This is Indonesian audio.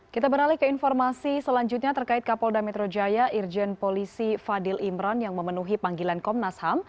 kita beralih ke informasi selanjutnya terkait kapolda metro jaya irjen polisi fadil imran yang memenuhi panggilan komnas ham